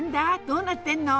どうなってんの？